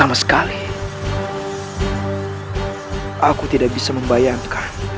aku tidak bisa membayangkan